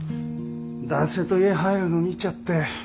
男性と家入るの見ちゃって。